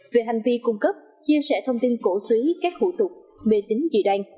về hành vi cung cấp chia sẻ thông tin cổ suy các hủ tục mê tính dị đoan